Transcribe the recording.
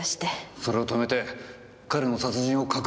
それを止めて彼の殺人を隠したのか？